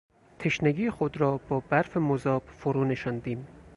تشنگی خود را با برف مذاب فرونشاندیم.